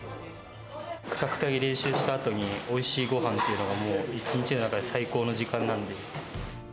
くたくたに練習したあとに、おいしいごはんっていうのがもう、一日の中で最高の時間なんで。